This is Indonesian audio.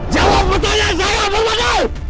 jawab pertanyaan saya permadi